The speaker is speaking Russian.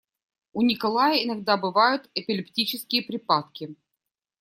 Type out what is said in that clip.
У Николая иногда бывают эпилептические припадки